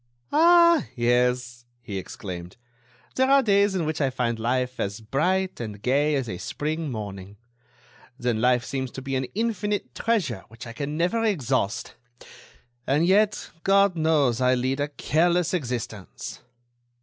"Ah! yes," he exclaimed, "there are days in which I find life as bright and gay as a spring morning; then life seems to be an infinite treasure which I can never exhaust. And yet God knows I lead a careless existence!"